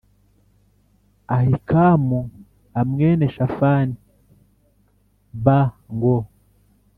Ahikamu a mwene Shafani b ngo